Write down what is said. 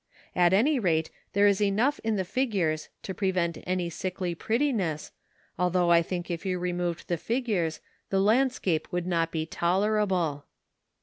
At any rate there is enough in the figures to prevent any sickly prettiness, although I think if you removed the figures the landscape would not be tolerable.